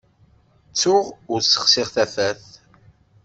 Ttuɣ ur ssexsiɣ tafat.